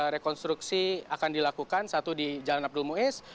rekonstruksi akan dilakukan satu di jalan abdul muiz